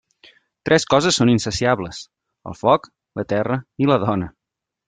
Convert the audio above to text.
Tres coses són insaciables: el foc, la terra i la dona.